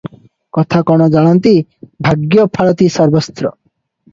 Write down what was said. କଥା କଣ ଜାଣନ୍ତି 'ଭାଗ୍ୟ ଫାଳତି ସର୍ବନ୍ତ୍ର' ।